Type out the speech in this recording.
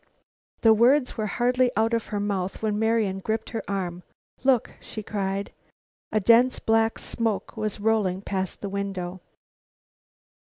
The words were hardly out of her mouth when Marian gripped her arm. "Look!" she cried. A dense black smoke was rolling past the window.